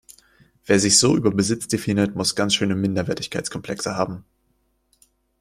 Wer sich so über Besitz definiert, muss ganz schöne Minderwertigkeitskomplexe haben.